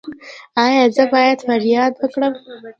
ایا زه باید فریاد وکړم؟